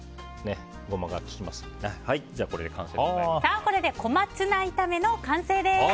これでこまツナ炒めの完成です。